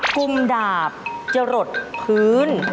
กลุ่มดาบจะหลดพื้น